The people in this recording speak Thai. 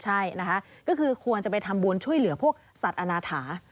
ใช่นะคะก็คือควรจะไปทำบุญช่วยเหลือพวกสัตว์อาณาถา